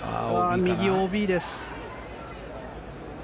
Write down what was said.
右、ＯＢです。